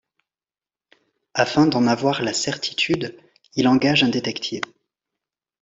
Afin d'en avoir la certitude, il engage un détective.